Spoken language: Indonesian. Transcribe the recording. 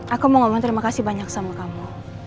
aku mau ngomong terima kasih banyak sama kamu